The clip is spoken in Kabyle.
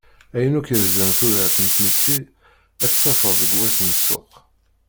Ayen akk yerzan tudert n tmetti, ad t-tafeḍ deg wass n ssuq.